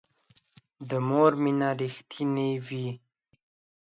د مور مینه رښتینې وي